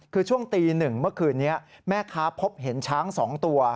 คือช่วงตี๑เมื่อคืนนี้แม่ค้าพบเห็นช้าง๒ตัว